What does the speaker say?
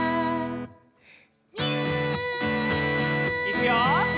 いくよ。